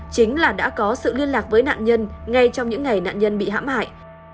chính là đã có sự liên lạc với nạn nhân ngay trong những ngày nạn nhân bị hãm hại